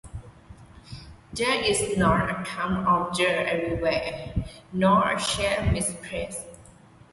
There is not a crumb of dirt anywhere, nor a chair misplaced.